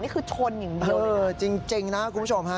นี่คือชนอย่างเดียวหรือเปล่าครับจริงนะคุณผู้ชม